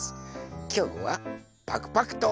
きょうはパクパクと。